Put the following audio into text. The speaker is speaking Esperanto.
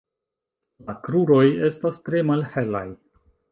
La kruroj estas tre malhelaj.